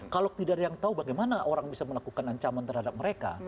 kalau tidak ada yang tahu bagaimana orang bisa melakukan ancaman terhadap mereka